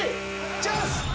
チャンス！